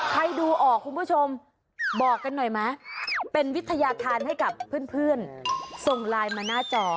ใครดูออกคุณผู้ชมบอกกันหน่อยไหมเป็นวิทยาธารให้กับเพื่อนส่งไลน์มาหน้าจอ